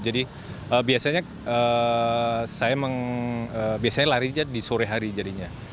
jadi biasanya saya lari di sore hari jadinya